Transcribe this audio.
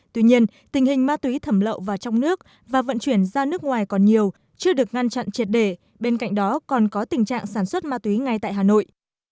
tuy nhiên tình hình ma túy thẩm lậu vào trong nước và vận chuyển ra nước ngoài còn nhiều chưa được ngăn chặn triệt để bên cạnh đó còn có tình trạng sản xuất ma túy ngay tại hà nội